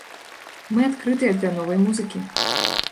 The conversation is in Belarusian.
Мы адкрытыя да новая музыкі.